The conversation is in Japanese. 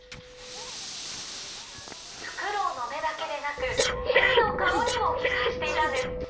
フクロウの目だけでなくヘビの顔にも擬態していたんです